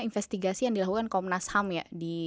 investigasi yang dilakukan komnas ham ya